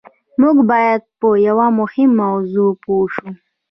موږ بايد په يوه مهمه موضوع پوه شو.